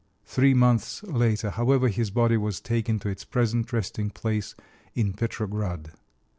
Three months later, however, his body was taken to its present resting place in Petrograd.